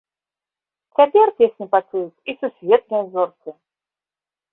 Цяпер песню пачуюць і сусветныя зоркі!